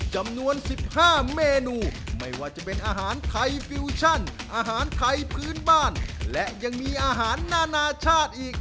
จำนวน๑๕เมนูไม่ว่าจะเป็นอาหารไทยฟิวชั่นอาหารไทยพื้นบ้านและยังมีอาหารนานาชาติอีก